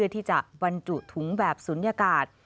ที่จะบรรจุถุงแบบศูนยากาศ